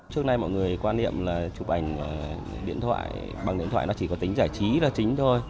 trước nay mọi người quan niệm là chụp ảnh bằng điện thoại chỉ có tính giải trí là chính thôi